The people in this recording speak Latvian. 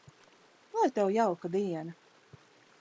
Lai Tev jauka diena!